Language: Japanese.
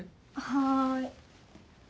はい。